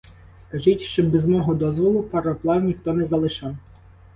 Скажіть щоб без мого дозволу пароплав ніхто не залишав.